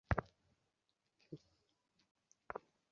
স্ত্রীরা কোনো একটা বিচিত্র কারণে স্বামীদের বোকামির গল্প করে আনন্দ পায়।